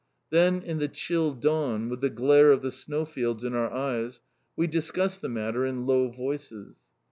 Then in the chill dawn, with the glare of the snow fields in our eyes, we discuss the matter in low voices.